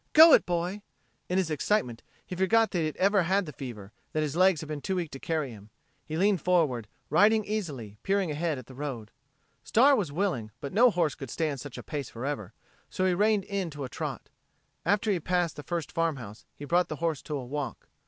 "Go it, boy!" In his excitement he forgot that he had ever had the fever, that his legs had been too weak to carry him. He leaned forward, riding easily, peering ahead at the road. Star was willing, but no horse could stand such a pace forever, so he reined in to a trot. After he had passed the first farmhouse, he brought the horse to a walk.